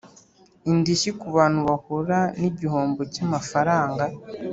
indishyi ku bantu bahura n igihombo cy amafaranga